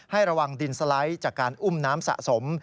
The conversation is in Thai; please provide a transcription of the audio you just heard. ให้ระวังดินสไลด์จากการอุ้มน้ำสะสม